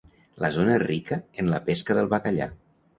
La zona és rica en la pesca del bacallà.